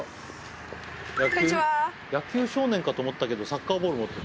野球少年かと思ったけどサッカーボール持ってる。